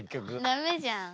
ダメじゃん。